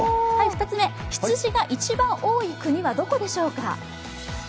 羊が一番多い国はどこでしょうか？